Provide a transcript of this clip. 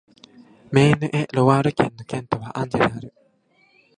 メーヌ＝エ＝ロワール県の県都はアンジェである